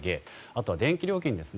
あとは電気料金です。